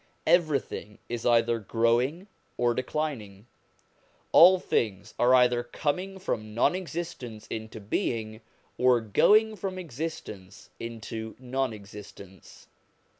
Every thing is either growing or declining; all things are either coming from non existence into being, or going from existence into non existence.